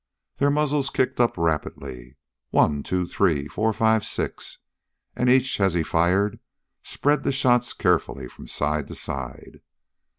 Their muzzles kicked up rapidly, one, two, three, four, five, six, and each, as he fired, spread the shots carefully from side to side.